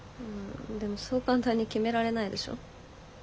うんでもそう簡単に決められないでしょ。